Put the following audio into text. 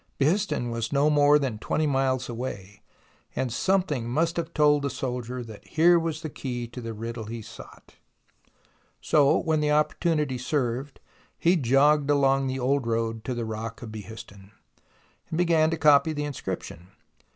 Behistun was no more than 20 miles away, and something must have told the soldier that THE ROMANCE OF EXCAVATION 109 here was the key to the riddle he sought. So, when opportunity served, he jogged along the old road to the rock of Behistun, and began to copy the inscription.